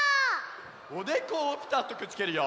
おでこをぴたっとくっつけるよ！